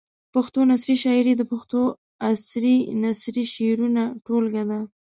پښتو نثري شاعري د پښتو عصري نثري شعرونو ټولګه ده.